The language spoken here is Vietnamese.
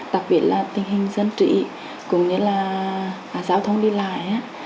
đặc biệt là tình hình dân trị cũng như là giao thông đi lại